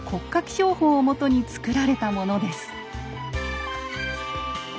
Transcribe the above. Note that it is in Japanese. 標本をもとに作られたものです。